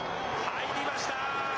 入りました。